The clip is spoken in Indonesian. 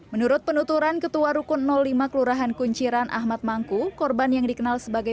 menurut penuturan ketua rukun lima kelurahan kunciran ahmad mangku korban yang dikenal sebagai